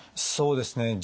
そうですね。